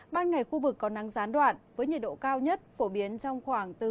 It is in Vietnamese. ban ngày khu vực có nắng gián đoạn với nhiệt độ cao nhất phổ biến trong khoảng từ ba mươi một đến ba mươi bốn độ